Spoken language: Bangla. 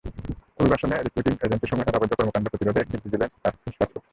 অভিবাসনে রিক্রুটিং এজেন্সিসমূহের অবৈধ কর্মকাণ্ড প্রতিরোধে একটি ভিজিলেন্স টাস্ক ফোর্স কাজ করছে।